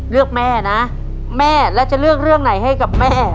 เลือกแม่นะแม่แล้วจะเลือกเรื่องไหนให้กับแม่